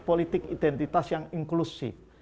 politik identitas yang inklusif